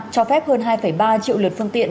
cho phép hơn hai ba triệu lượt phương tiện